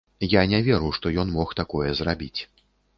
Я не веру, што ён мог такое зрабіць.